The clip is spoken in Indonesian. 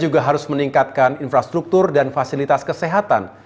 juga harus meningkatkan infrastruktur dan fasilitas kesehatan